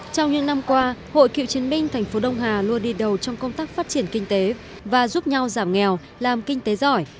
trong những năm qua hội cựu chiến binh thành phố đông hà luôn đi đầu trong công tác phát triển kinh tế và giúp nhau giảm nghèo làm kinh tế giỏi